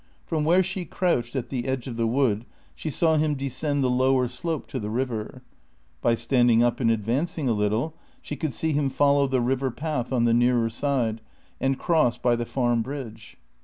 From where she crouched at the edge of the wood she saw him descend the lower slope to the river; by standing up and advancing a little she could see him follow the river path on the nearer side and cross by the Farm bridge.